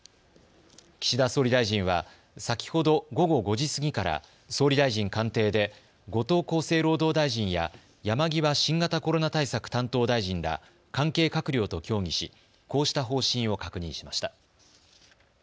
岸田総理大臣は先ほど午後５時過ぎから総理大臣官邸で後藤厚生労働大臣や山際新型コロナ対策担当大臣ら関係閣僚と協議しこうした方針を確認しました。